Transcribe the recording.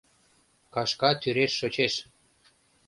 Кашка тӱреш шочеш.